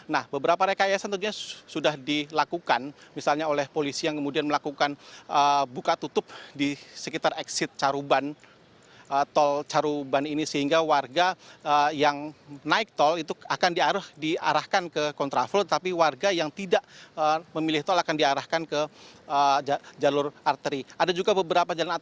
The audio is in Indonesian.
nah beberapa rekayasan tentunya sudah dilakukan misalnya oleh polisi yang kemudian melakukan buka tutup di sekitar exit caruban